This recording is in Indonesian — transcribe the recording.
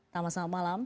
tamai selamat malam